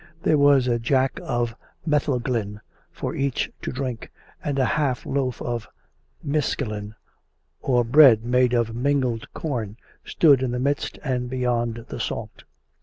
There was a jack of metheglin for each to drink, and a huge loaf of miscelin (or bread made of mingled corn) stood in the midst and beyond the salt.